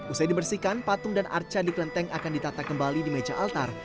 usai dibersihkan patung dan arca di kelenteng akan ditata kembali di meja altar